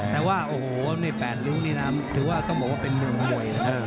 แต่ว่าโอ้โหใน๘นิ้วนี่นะถือว่าต้องบอกว่าเป็นหนึ่งมวย